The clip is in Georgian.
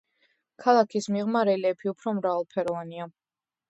ქალაქის მიღმა რელიეფი უფრო მრავალფეროვანია.